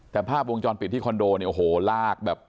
แต่ภาพวงจรปิดที่คอนโดเนี่ยโอ้โหลากแบบ